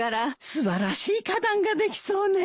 素晴らしい花壇ができそうね。